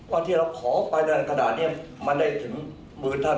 ว่าที่เราขอไปอะไรขนาดนี้มันได้ถึงมือท่าน